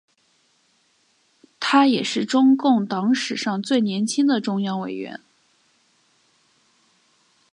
他也是中共党史上最年轻的中央委员。